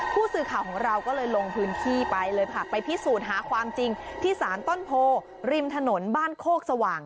ผู้สื่อข่าวของเราก็เลยลงพื้นที่ไปเลยค่ะไปพิสูจน์หาความจริงที่สารต้นโพริมถนนบ้านโคกสว่าง